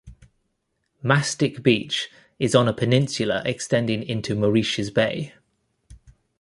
Mastic Beach is on a peninsula extending into Moriches Bay.